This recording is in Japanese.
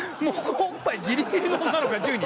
おっぱいギリギリの女の子が１０人。